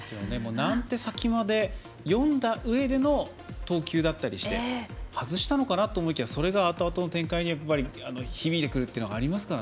何手先まで読んだうえでの投球だったりして外したのかなと思いきやそれが、あとあとの展開に響いてくるというのがありますから。